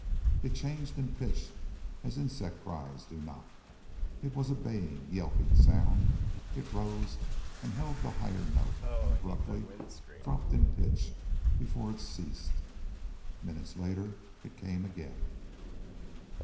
It changed in pitch as insect cries do not. It was a baying, yelping sound. It rose, and held the higher note, and abruptly dropped in pitch before it ceased. Minutes later it came again.